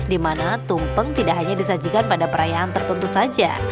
di mana tumpeng tidak hanya disajikan pada perayaan tertentu saja